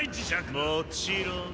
もちろん。